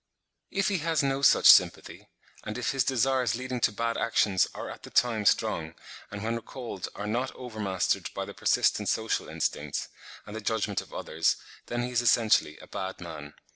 If he has no such sympathy, and if his desires leading to bad actions are at the time strong, and when recalled are not over mastered by the persistent social instincts, and the judgment of others, then he is essentially a bad man (30.